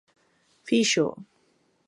Fíxoo.